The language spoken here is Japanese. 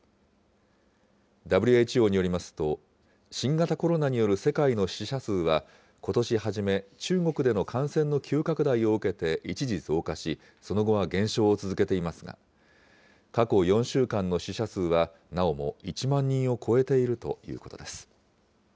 ＷＨＯによりますと、新型コロナによる世界の死者数はことし初め、中国での感染の急拡大を受けて一時増加し、その後は減少を続けていますが、過去４週間の死者数は、なおも１万人を超えているということです。